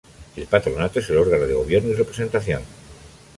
El Patronato es el órgano de gobierno y representación.